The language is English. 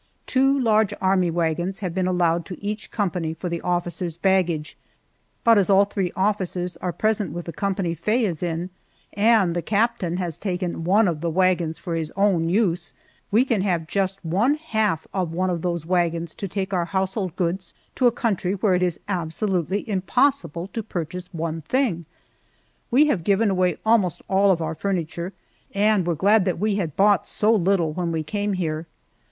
Two large army wagons have been allowed to each company for the officers' baggage, but as all three officers are present with the company Faye is in, and the captain has taken one of the wagons for his own use, we can have just one half of one of those wagons to take our household goods to a country where it is absolutely impossible to purchase one thing! We have given away almost all of our furniture, and were glad that we had bought so little when we came here.